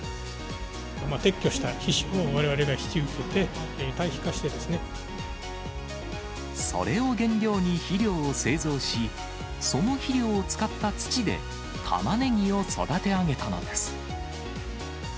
撤去したヒシをわれわれが引き受けて、それを原料に肥料を製造し、その肥料を使った土で、タマネギを育て上げたのです。